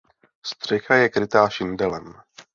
Střecha je krytá šindelem.